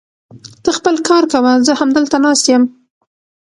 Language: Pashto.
ته خپل کار کوه، زه همدلته ناست يم.